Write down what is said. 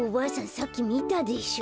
さっきみたでしょ。